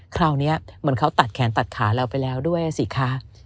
คราวนี้เหมือนเขาตัดแขนตัดขาเราไปแล้วด้วยสิคะ